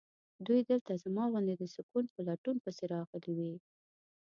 دوی دلته زما غوندې د سکون په لټون پسې راغلي وي.